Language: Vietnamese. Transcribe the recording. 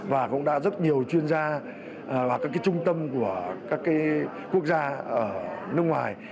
và cũng đã rất nhiều chuyên gia và các trung tâm của các quốc gia ở nước ngoài